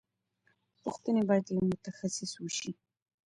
پوښتنې باید له متخصص وشي.